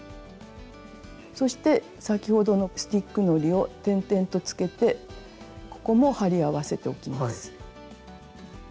そして先ほどのスティックのりを点々とつけてここも貼り合わせておきます。